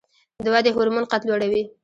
د ودې هورمون قد لوړوي